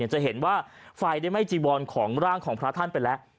จะเห็นว่าไฟได้ไหม้จีวอนของร่างของพระท่านไปแล้ว